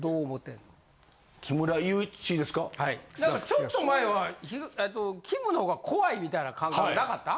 ちょっと前はキムのほうが怖いみたいな感覚なかった？